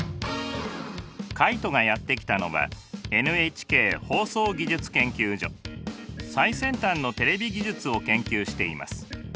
カイトがやって来たのは最先端のテレビ技術を研究しています。